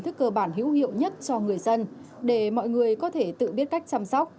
thức cơ bản hữu hiệu nhất cho người dân để mọi người có thể tự biết cách chăm sóc